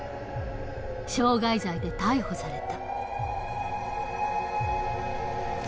傷害罪で逮捕された。